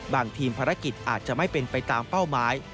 บางทีมภารกิจอาจจะไม่เป็นไปตามเป้าหมาย